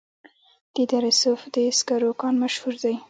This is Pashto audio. د دره صوف د سکرو کان مشهور دی